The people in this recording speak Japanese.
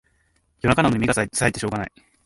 夜中なのに目がさえてしょうがない